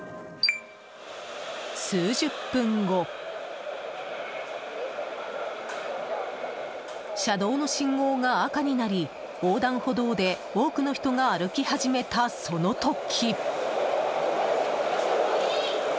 数十分後車道の信号が赤になり横断歩道で多くの人が歩き始めたその時。